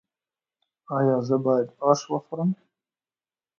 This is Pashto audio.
ایا زه باید اش وخورم؟